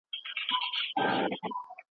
د ودانیو په جوړولو کې معیارونه نه مراعت کېږي.